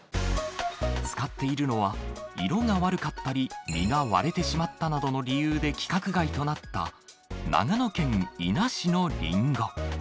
使っているのは、色が悪かったり、実が割れてしまったなどの理由で規格外となった、長野県伊那市のリンゴ。